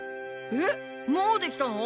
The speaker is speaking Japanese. えっもうできたの？